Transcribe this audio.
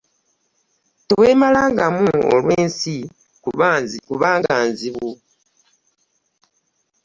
teweemalangamu olw'ensi kubanga nzibu.